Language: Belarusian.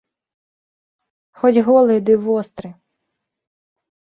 Хоць голы, ды востры.